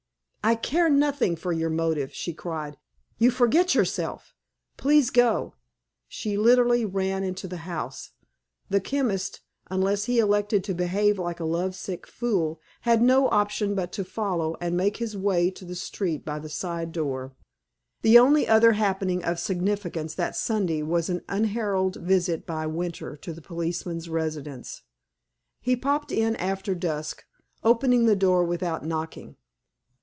"I care nothing for your motive," she cried. "You forget yourself! Please go!" She literally ran into the house. The chemist, unless he elected to behave like a love sick fool, had no option but to follow, and make his way to the street by the side door. The only other happening of significance that Sunday was an unheralded visit by Winter to the policeman's residence. He popped in after dusk, opening the door without knocking.